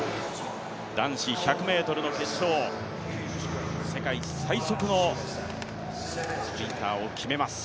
男子１００ｍの決勝、世界最速のスプリンターを決めます。